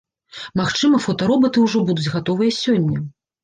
Магчыма, фотаробаты ўжо будуць гатовыя сёння.